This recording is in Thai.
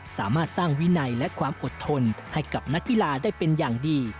สามารถสร้างวินัยและความอดทนให้กับนักกีฬาได้เป็นอย่างดี